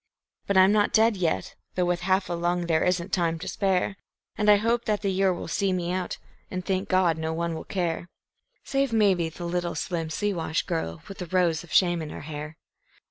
But I'm not dead yet; though with half a lung there isn't time to spare, And I hope that the year will see me out, and, thank God, no one will care Save maybe the little slim Siwash girl with the rose of shame in her hair.